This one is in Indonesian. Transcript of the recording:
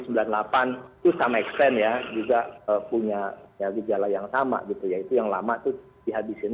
sembilan puluh delapan itu sama extend ya juga punya yang dijala yang sama gitu ya itu yang lama tuh dihabisi